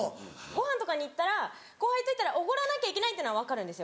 ご飯とかに行ったら後輩と行ったらおごらなきゃいけないっていうのは分かるんですよ。